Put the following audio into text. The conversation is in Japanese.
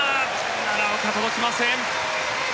奈良岡、届きません。